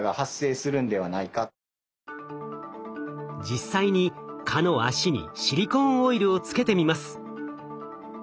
実際に蚊の脚にシリコーンオイルをつけてみます。